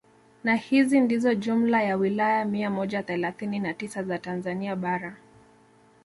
Na hizo ndizo jumla ya wilaya mia moja thelathini na tisa za Tanzania bara